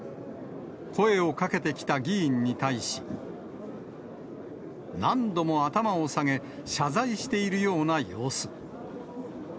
声をかけてきた議員に対し、何度も頭を下げ、謝罪しているような様子。